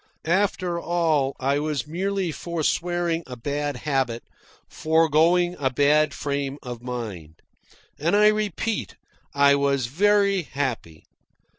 After all, I was merely forswearing a bad habit, forgoing a bad frame of mind. And I repeat, I was very happy.